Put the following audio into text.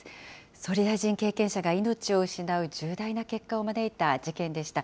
総理大臣経験者が命を失う重大な結果を招いた事件でした。